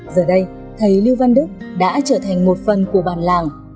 giờ đây thầy lưu văn đức đã trở thành một phần của bản làng